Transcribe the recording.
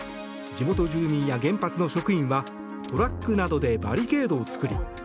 地元住民や原発の職員はトラックなどでバリケードを作り